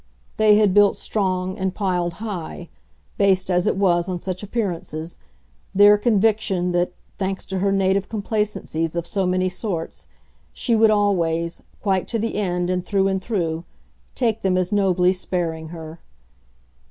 They had built strong and piled high based as it was on such appearances their conviction that, thanks to her native complacencies of so many sorts, she would always, quite to the end and through and through, take them as nobly sparing her.